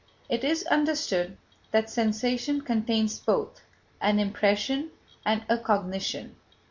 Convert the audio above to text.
It is understood that sensation contains both an impression and a cognition.